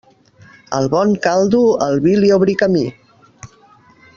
Al bon caldo, el vi li obri camí.